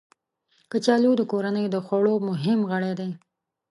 کچالو د کورنۍ د خوړو مهم غړی دی